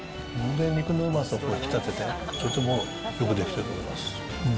肉のうまさを引き立てて、とてもよくできてると思います。